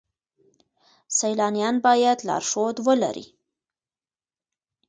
سیلانیان باید لارښود ولرئ.